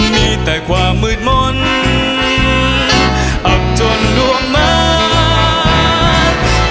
มีแต่ความมืดมนต์อับจนล่วงมาก